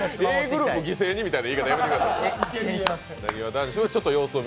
ｇｒｏｕｐを犠牲にみたいな言い方はやめてください。